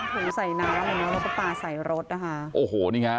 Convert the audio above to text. ผูกใส่น้ำเหมือนกันแล้วก็ปลาใส่รถนะคะโอ้โหนี่ค่ะ